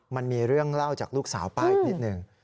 มันมีเรื่องเล่าจากลูกสาวป้าอีกนิดหนึ่ง